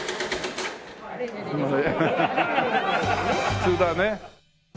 普通だね。